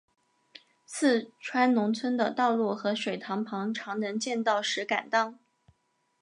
四川农村的道路和水塘旁常能见到石敢当。